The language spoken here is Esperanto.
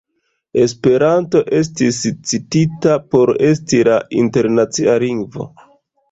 Esperanto estis citita por esti la internacia lingvo.